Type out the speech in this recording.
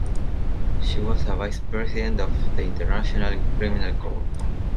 She was a Vice-President of the International Criminal Court.